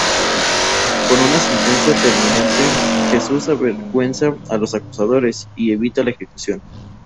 Con una sentencia terminante, Jesús avergüenza a los acusadores, y evita la ejecución.